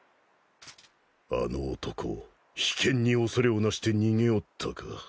あの男秘剣に恐れをなして逃げおったか。